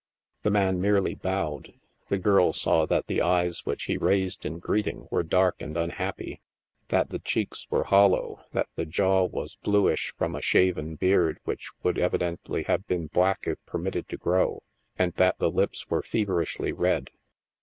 The man merely bowed ; the girl saw that the eyes which he raised in greeting were dark and unhappy, that the cheeks were hollow, that the jaw was bluish from a shaven beard which would evidently have been black if permitted to grow, and that the lips were feverishly red.